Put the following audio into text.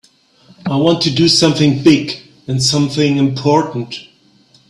I want to do something big and something important.